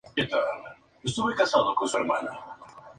La yema apical es cónica de color amarillo.